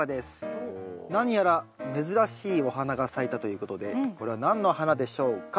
何やら珍しいお花が咲いたということでこれは何の花でしょうか？